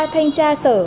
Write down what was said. thanh tra sở